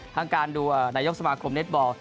ทั้งการดูนายกสมาคมเน็ตบอล